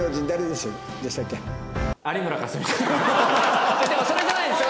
違うでもそれじゃないですよ。